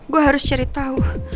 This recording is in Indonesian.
gue harus cari tahu